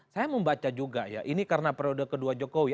saya membaca juga ya ini karena periode kedua jokowi